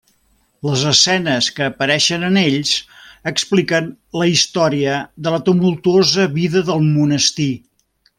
Les escenes que apareixen en ells expliquen la història de la tumultuosa vida del monestir.